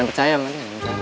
naik percaya emang